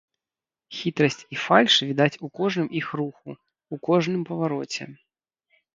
Хітрасць і фальш відаць у кожным іх руху, у кожным павароце.